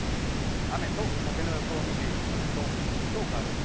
雨と風の予想見ていきますと今日からです。